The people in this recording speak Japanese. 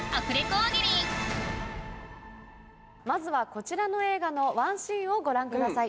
大喜利まずはこちらの映画のワンシーンをご覧ください。